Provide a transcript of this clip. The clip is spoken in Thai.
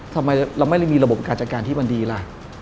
ทำไมเราไม่ได้มีระบบการจัดการที่มันดีล่ะ